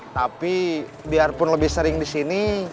tapi biarpun lebih sering disini